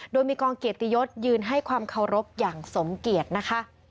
โดยมีกองเกียรติยศยืนให้ความเคารพอย่างสมเกียรตินะคะ